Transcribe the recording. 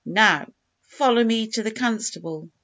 Now, follow me to the constable."